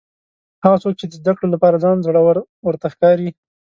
هغه څوک چې د زده کړې لپاره ځان زوړ ورته ښکاري.